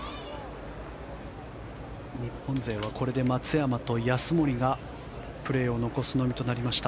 日本勢はこれで松山と安森がプレーを残すのみとなりました。